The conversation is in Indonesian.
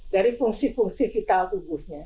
dari fungsi fungsi vital tubuhnya